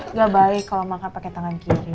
nggak baik kalau makan pakai tangan kiri